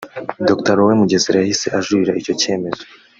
Dr Léon Mugesera yahise ajuririra icyo cyemezo